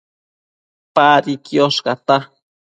Padi quiosh cata